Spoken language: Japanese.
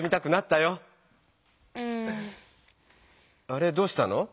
あれどうしたの？